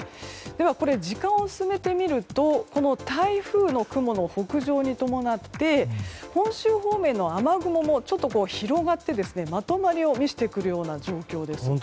では、時間を進めてみると台風の雲の北上に伴って本州方面の雨雲も広がって、まとまりを見せてくるような状況です。